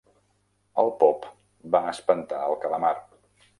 El pop va espantar al calamar.